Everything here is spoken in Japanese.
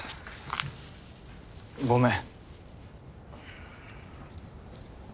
ごめん。